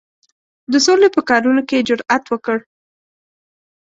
د سولي په کارونو کې یې جرأت وکړ.